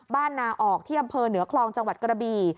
นาออกที่อำเภอเหนือคลองจังหวัดกระบี่